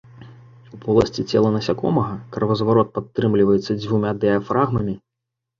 У поласці цела насякомага кровазварот падтрымліваецца дзвюма дыяфрагмамі.